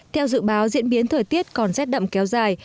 theo dự báo diễn biến thời tiết còn rét đậm kéo dài